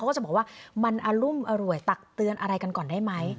เขาก็จะบอกว่ามันอรุมอร่วยตักเตือนอะไรกันก่อนได้ไหม